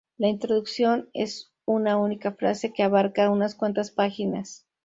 La introducción es una única frase que abarca unas cuantas páginas.